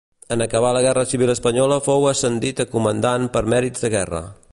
En acabar la guerra civil espanyola fou ascendit a comandant per mèrits de guerra.